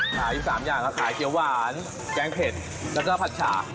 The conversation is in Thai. ขาย๓อย่างครับขายเขียวหวานแกงเพ็ดและผัดฉ่า